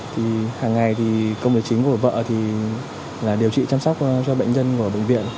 thì hàng ngày thì công việc chính của vợ thì là điều trị chăm sóc cho bệnh nhân của bệnh viện